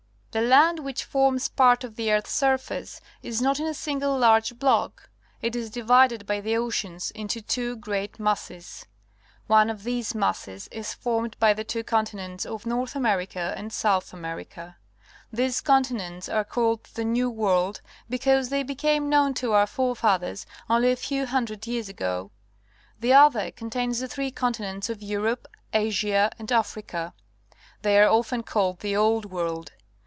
The land which forms part of the earth's surface is not in a single large block. It is divided bj the oceans into two great masses. One of these masses is formed by the two continents of North America and South America. These continents are called the New ^Yorld, because they became known to our forefathers only a few hundred years ago. The other contains the three contin ents of Europe, Asia, and Africa. They are often called the Old World.